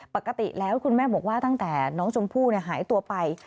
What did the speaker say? ปกติแล้วคุณแม่บอกว่าตั้งแต่น้องชมพู่หายตัวไป